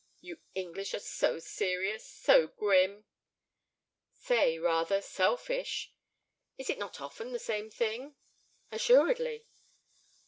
"You English are so serious, so grim." "Say, rather—selfish." "Is it not often the same thing?" "Assuredly."